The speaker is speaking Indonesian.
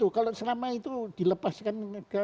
kalau selama itu dilepaskan